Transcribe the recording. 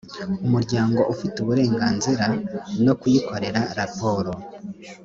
umuryango ufite uburenganzira no kuyikorera raporo